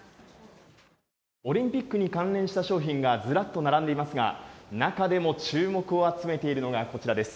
オリンピックに関連した商品がずらっと並んでいますが、中でも注目を集めているのがこちらです。